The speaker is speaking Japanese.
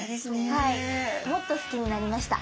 はいもっと好きになりました。